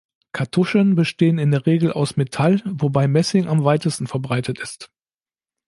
Kartuschen bestehen in der Regel aus Metall, wobei Messing am weitesten verbreitet ist.